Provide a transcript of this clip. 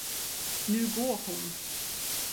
Nu går hon.